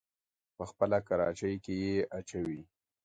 په خپله کراچۍ کې يې اچوي.